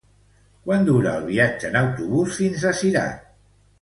Quant dura el viatge en autobús fins a Cirat?